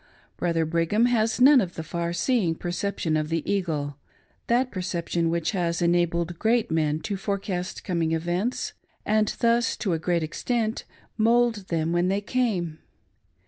Brother Brighani has none of the far seeing perception lof the eagle — that percep tion which has enabled great men to forecast coming events, and thus, to a great extent, mould them when they came.